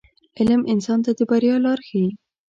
• علم انسان ته د بریا لار ښیي.